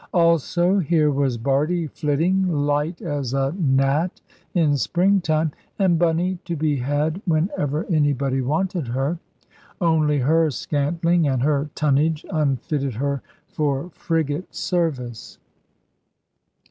Also here was Bardie flitting, light as a gnat in spring time, and Bunny to be had whenever anybody wanted her. Only her scantling and her tonnage unfitted her for frigate service.